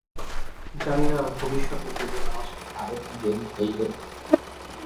জানি না, ভবিষ্যতে জীবন আমার সাথে, আরও কি গেম খেলবে।